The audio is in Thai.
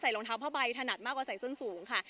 รองเท้าผ้าใบถนัดมากกว่าใส่ส้นสูงค่ะ